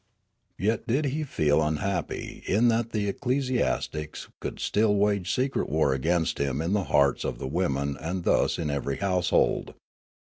" Yet did he feel unhappy in that the ecclesiasts could still wage secret war against him in the hearts of the women and thus in every household.